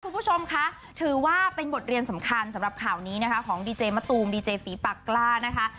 คุณผู้ชมคะถือว่าเป็นบทเรียนสำคัญสำหรับข่าวนี้นะคะของดีเจมะตูมดีเจฝีปากกล้านะคะ